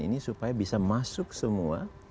ini supaya bisa masuk semua